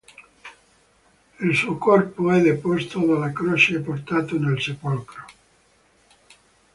Il suo corpo è deposto dalla croce e portato nel sepolcro.